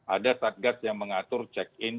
ada satgas yang mengatur check in